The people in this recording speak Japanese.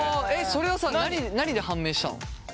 それはさ何で判明したの？